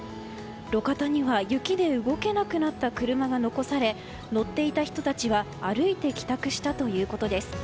路肩には雪で動けなくなった車が残され乗っていた人たちは歩いて帰宅したということです。